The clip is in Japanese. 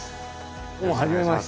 どうもはじめまして。